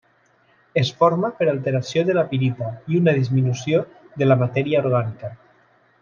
Es forma per alteració de la pirita i una disminució de la matèria orgànica.